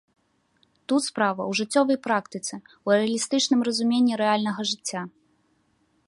Тут справа ў жыццёвай практыцы, у рэалістычным разуменні рэальнага жыцця.